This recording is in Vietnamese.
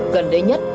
gần đây nhất